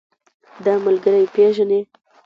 دا ملګری پيژنې؟